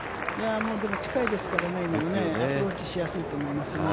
でも近いですから、アプローチしやすいと思いますね。